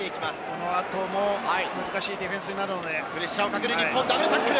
この後も難しいディフェンスになるので。